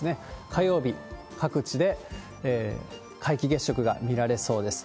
火曜日、各地で皆既月食が見られそうです。